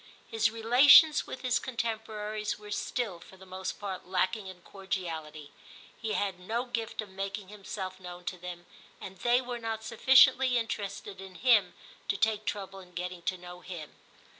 His relations with his contemporaries were still, for the most part, lacking in cordiality. He had no gift of making himself known to them, and they were not sufficiently interested in him to take trouble in getting to know him.